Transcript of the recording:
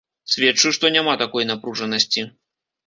Сведчу, што няма такой напружанасці.